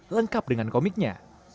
lengkap dengan komiknya